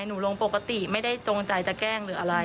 ลงปกติไม่ได้จงใจจะแกล้งหรืออะไร